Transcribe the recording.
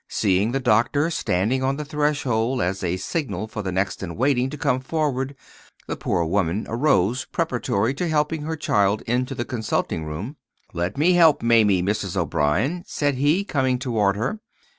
Seeing the doctor standing on the threshold as a signal for the next in waiting to come forward, the poor woman arose preparatory to helping her child into the consulting room. "Let me help Mamie, Mrs. O'Brien," said he, coming toward her.